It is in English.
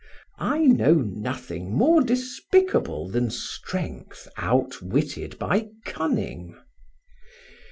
I know nothing more despicable than strength outwitted by cunning.